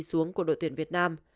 đi xuống của đội tuyển việt nam